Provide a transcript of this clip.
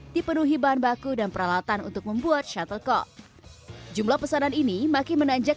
dipenuhi bahan baku dan peralatan untuk membuat shuttlecol jumlah pesanan ini makin menanjak